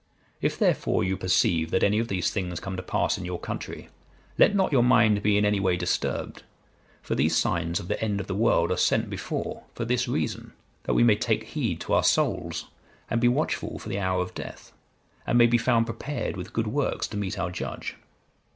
If, therefore, you perceive that any of these things come to pass in your country, let not your mind be in any way disturbed; for these signs of the end of the world are sent before, for this reason, that we may take heed to our souls, and be watchful for the hour of death, and may be found prepared with good works to meet our Judge.